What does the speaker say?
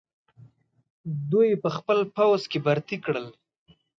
دوی یې په خپل پوځ کې برتۍ کړل.